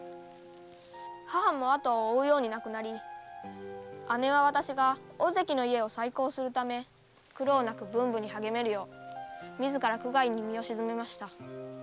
母も後を追うように亡くなり姉は私が小関の家を再興するため苦労なく文武に励めるよう自ら苦界に身を沈めました。